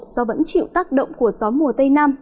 do vẫn chịu tác động của gió mùa tây nam